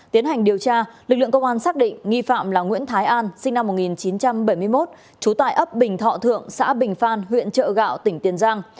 tiến hành điều tra lực lượng công an xác định nghi phạm là nguyễn thái an sinh năm một nghìn chín trăm bảy mươi một trú tại ấp bình thọ thượng xã bình phan huyện chợ gạo tỉnh tiền giang